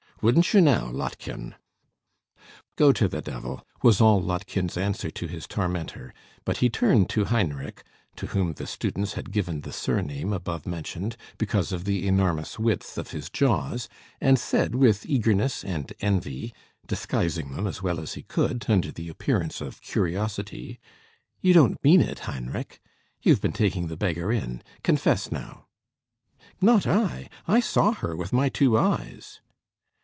Wouldn't you now, Lottchen?" "Go to the devil!" was all Lottchen's answer to his tormentor; but he turned to Heinrich, to whom the students had given the surname above mentioned, because of the enormous width of his jaws, and said with eagerness and envy, disguising them as well as he could, under the appearance of curiosity "You don't mean it, Heinrich? You've been taking the beggar in! Confess now." "Not I. I saw her with my two eyes."